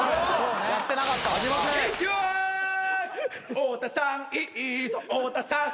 「太田さんいいぞ太田さんいいぞ」